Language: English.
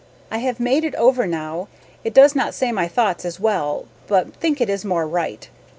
I have made it over now. It does not say my thoughts as well but think it is more right.